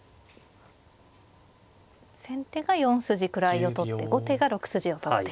先手が４筋位を取って後手が６筋を取って。